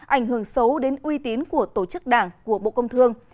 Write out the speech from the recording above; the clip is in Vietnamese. ảnh hưởng xấu đến uy tín của tổ chức đảng của bộ công thương